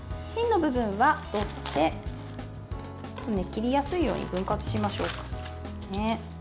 芯の部分は取って切りやすいように分割しましょうか。